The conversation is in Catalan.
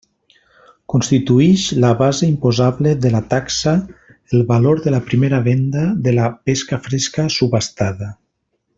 Constituïx la base imposable de la taxa el valor de la primera venda de la pesca fresca subhastada.